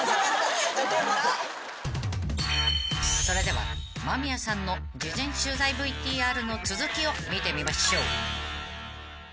［それでは間宮さんの事前取材ＶＴＲの続きを見てみましょう］